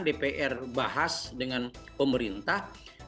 dpr bahas dengan pemerintah